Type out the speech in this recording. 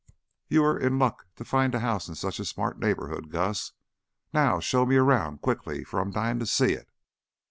"You were in luck to find a house in such a smart neighborhood, Gus. Now show me around, quickly, for I'm dying to see it."